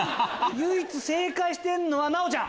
唯一正解してるのは奈央ちゃん！